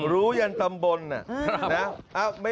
รู้อย่างตำบลน่ะ